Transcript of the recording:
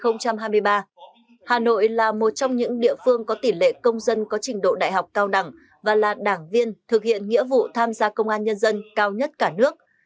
năm hai nghìn hai mươi ba hà nội là một trong những địa phương có tỷ lệ công dân có trình độ đại học cao đẳng và là đảng viên thực hiện nghĩa vụ tham gia công an nhân dân cao nhất cả nước